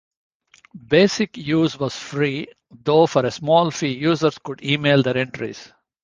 Basic use was free, though for a small fee users could email their entries.